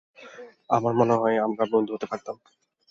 আমার মনে হয় আমরা বন্ধু হতে পারতাম!